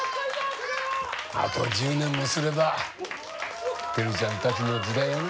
あと１０年もすればてるちゃんたちの時代やな。